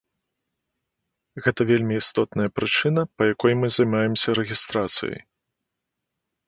Гэта вельмі істотная прычына, па якой мы займаемся рэгістрацыяй.